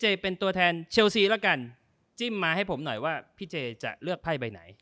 เจเป็นตัวแทนเชลสีแล้วซึ่งมาให้ผมหน่อยว่าพี่เจจะเลือกใภไปไหน